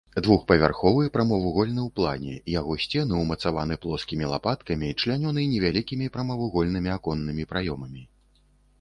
Двухпавярховы, прамавугольны ў плане, яго сцены ўмацаваны плоскімі лапаткамі, члянёны невялікімі прамавугольнымі аконнымі праёмамі.